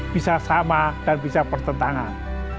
bisa sama dan bisa bertentangan